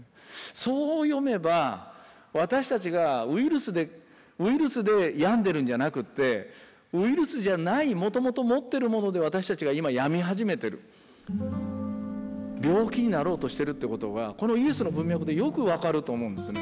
そう読めば私たちがウイルスで病んでるんじゃなくってウイルスじゃないもともと持ってるもので私たちが今病み始めてる病気になろうとしてるってことがこのイエスの文脈でよく分かると思うんですね。